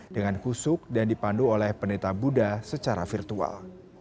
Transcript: dengan kusuk dan dipandu oleh peneta buddha secara virtual